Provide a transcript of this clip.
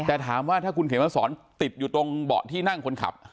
แต่ถามว่าถ้าคุณเขมสอนติดอยู่ตรงเบาะที่นั่งคนขับ